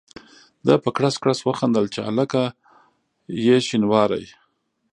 ده په کړس کړس وخندل چې هلکه یې شینواری.